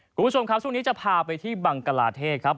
คุณผู้ชมครับช่วงนี้จะพาไปที่บังกลาเทศครับ